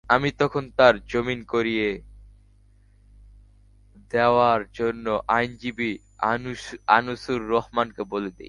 আমি তখন তার জামিন করিয়ে দেওয়ার জন্য আইনজীবী আনিসুর রহমানকে বলে দিই।